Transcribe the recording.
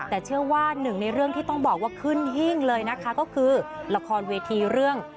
แต่เชื่อว่าหนึ่งในเรื่องที่ต้องบอกว่าขึ้นหิ้งเลยนะคะก็คือละครเวทีเรื่อง